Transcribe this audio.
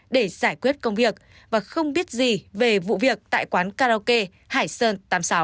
để giải quyết công việc và không biết gì về vụ việc tại quán karaoke hải sơn tám mươi sáu